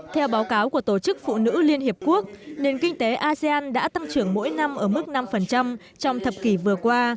theo báo cáo của tổ chức phụ nữ liên hiệp quốc nền kinh tế asean đã tăng trưởng mỗi năm ở mức năm trong thập kỷ vừa qua